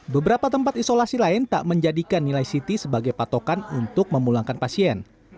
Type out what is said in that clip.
beberapa tempat isolasi lain tak menjadikan nilai ct sebagai patokan untuk memulangkan pasien